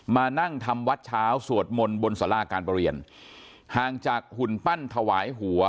มานั่งทำวัดเช้าสวดมนต์บนสาราการประเรียนห่างจากหุ่นปั้นถวายหัว